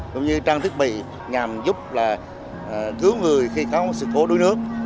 cũng như trang thiết bị nhằm giúp cứu người khi có sự khổ đối nước